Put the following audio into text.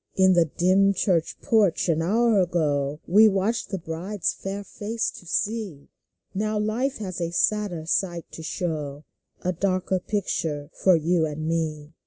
In the dim church porch an hour ago, We waited the bride's fair face to see ; Now Life has a sadder sight to show, A darker picture for you and me.